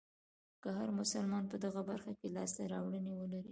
که هر مسلمان په دغه برخه کې لاسته راوړنې ولرلې.